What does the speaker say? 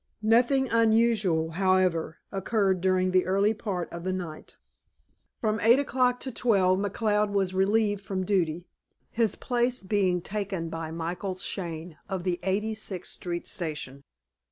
Nothing unusual, however, occurred during the early part of the night. From eight o'clock to twelve, McCloud was relieved from duty, his place being taken by Michael Shane, of the Eighty sixth Street Station.